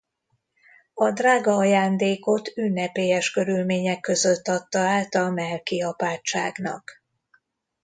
A drága ajándékot ünnepélyes körülmények között adta át a melki apátságnak.